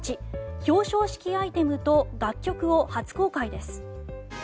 表彰式アイテムと楽曲を初公開です。